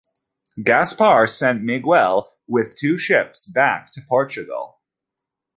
Gaspar sent Miguel with two ships back to Portugal.